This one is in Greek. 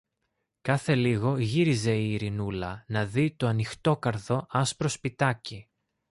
Κάθε λίγο γύριζε η Ειρηνούλα να δει το ανοιχτόκαρδο άσπρο σπιτάκι